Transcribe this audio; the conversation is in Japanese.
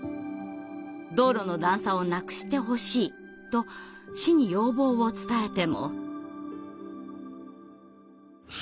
道路の段差をなくしてほしいと市に要望を伝えても。